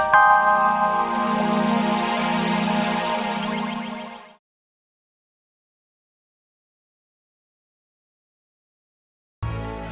terima kasih pak